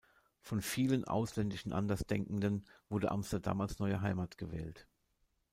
Von vielen ausländischen Andersdenkenden wurde Amsterdam als neue Heimat gewählt.